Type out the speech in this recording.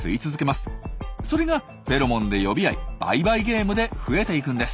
それがフェロモンで呼び合い倍々ゲームで増えていくんです。